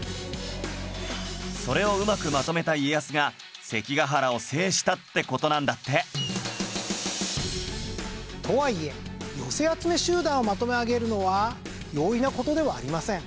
それをうまくまとめた家康が関ヶ原を制したって事なんだってとはいえ寄せ集め集団をまとめ上げるのは容易な事ではありません。